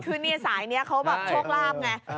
คือเนี่ยสายนี้เขาแบบโชคลาภไง